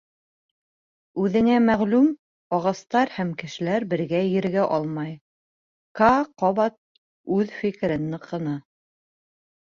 Үҙеңә мәғлүм, ағастар һәм кешеләр бергә ерегә алмай, — Каа ҡабат үҙ фекерен ныҡыны.